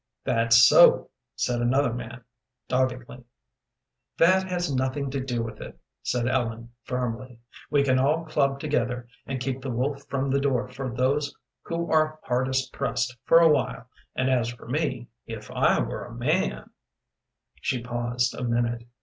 "That's so," said another man, doggedly. "That has nothing to do with it," said Ellen, firmly. "We can all club together, and keep the wolf from the door for those who are hardest pressed for a while; and as for me, if I were a man " She paused a minute.